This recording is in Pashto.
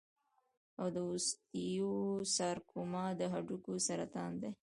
د اوسټیوسارکوما د هډوکو سرطان دی.